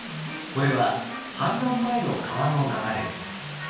これは氾濫前の川の流れです。